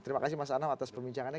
terima kasih mas anam atas perbincangannya